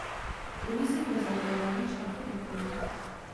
Druhý syn Josef byl malíř architektury.